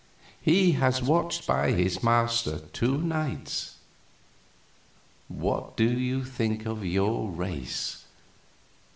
He has watched by his master two nights. What do you think of your race?